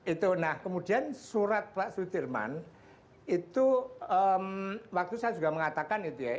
itu nah kemudian surat pak sudirman itu waktu saya juga mengatakan itu ya